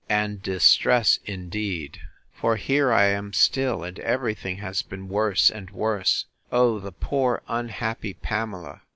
And distress indeed! For here I am still; and every thing has been worse and worse! Oh! the poor unhappy Pamela!